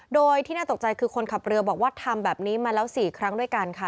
โดยที่น่าตกใจคือคนขับเรือบอกว่าทำแบบนี้มาแล้ว๔ครั้งด้วยกันค่ะ